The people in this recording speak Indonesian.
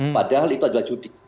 padahal itu adalah judi